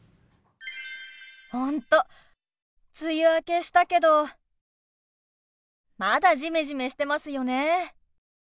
本当梅雨明けしたけどまだジメジメしてますよね。